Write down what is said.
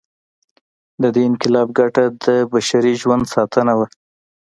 د دې انقلاب ګټه د بشري ژوند ساتنه وه.